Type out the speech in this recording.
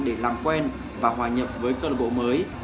để làm quen và hòa nhập với cơ bộ mới